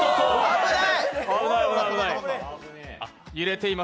危ない。